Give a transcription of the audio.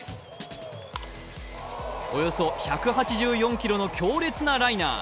およそ１８４キロの強烈なライナー。